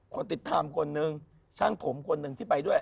คนติดไทม์คนหนึ่งช่างผมคนหนึ่งที่ไปด้วย